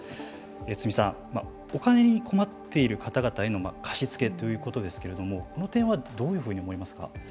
堤さんお金に困っている方々への貸付ということですけれどもこの点はどういうふうに思いますか。